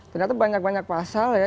ternyata banyak banyak pasal ya